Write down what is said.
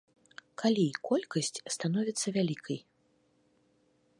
Калі колькасць становіцца вялікай?